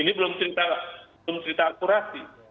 ini belum cerita akurasi